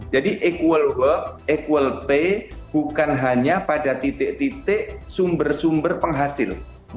jadi equal work equal pay bukan hanya pada titik titik sumber sumber penghasil